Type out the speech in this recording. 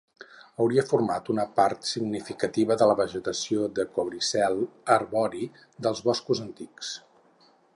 Hauria format una part significativa de la vegetació de cobricel arbori dels boscos antics.